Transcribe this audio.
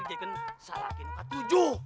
dijadikan salakin ketujuh